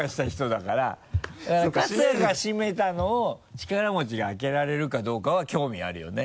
だから春日が閉めたのを力持ちが開けられるかどうかは興味あるよね。